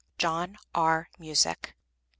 JOHN R. MUSICK.